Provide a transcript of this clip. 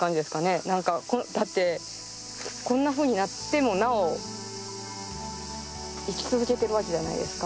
何かだってこんなふうになってもなお生き続けてるわけじゃないですか。